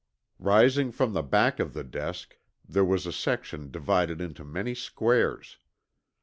Rising from the back of the desk there was a section divided into many squares.